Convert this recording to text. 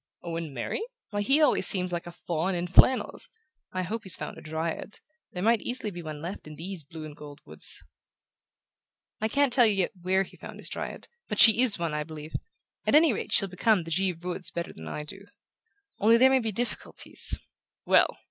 "Owen marry? Why, he always seems like a faun in flannels! I hope he's found a dryad. There might easily be one left in these blue and gold woods." "I can't tell you yet where he found his dryad, but she IS one, I believe: at any rate she'll become the Givre woods better than I do. Only there may be difficulties " "Well!